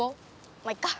まいっか。